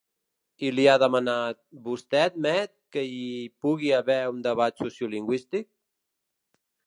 I li ha demanat: Vostè admet que hi pugui haver un debat sociolingüístic?